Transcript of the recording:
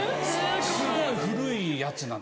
すごい古いやつなの。